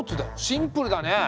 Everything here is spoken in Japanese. シンプルだね。